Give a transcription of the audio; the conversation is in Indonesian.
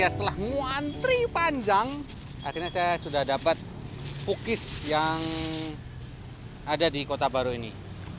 setelah muantri panjang akhirnya saya sudah dapat pukis yang ada di kota baru ini